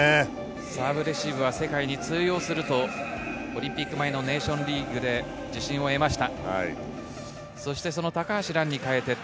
サーブレシーブは世界に通用するとオリンピック前のネーションズリーグで自信を得ました。